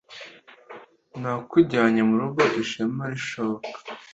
nakujyanye murugo ishema rishoboka